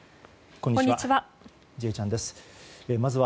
こんにちは。